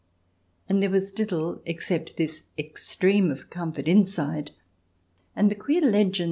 And there was little except this extreme of comfort inside, and the queer legends CH.